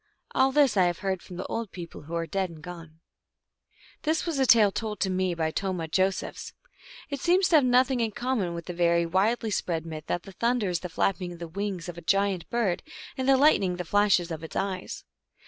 All this I have heard from the old peo ple who are dead and gone. This tale was told me by Tomah Josephs (P.) I* seems to have nothing in common with the very widely spread myth that the thunder is the flapping of the wings of a giant bird, and the lightning the flashes of its eyes.